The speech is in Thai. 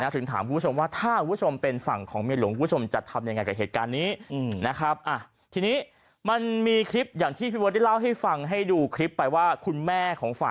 ถึงถามผู้ชมว่าถ้าผู้ชมเป็นฝั่งของเมียหลวง